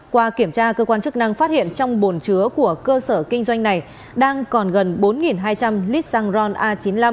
qua kiểm tra cơ quan chức năng phát hiện trong bồn chứa của cơ sở kinh doanh này đang còn gần bốn hai trăm linh lít xăng ron a chín mươi năm